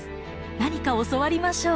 何か教わりましょう。